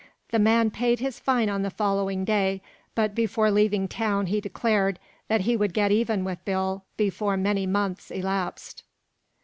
The man paid his fine on the following day, but before leaving town he declared that he would get even with Bill before many months elapsed.